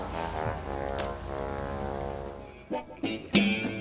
kang dadang udah ada di sini